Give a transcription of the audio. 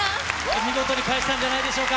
見事に返したんじゃないでし